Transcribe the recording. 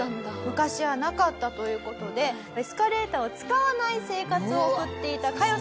昔はなかったという事でエスカレーターを使わない生活を送っていたカヨさん。